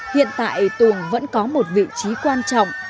hiện tại tuồng vẫn có một vị trí quan trọng